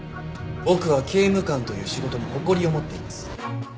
僕は刑務官という仕事に誇りを持っています。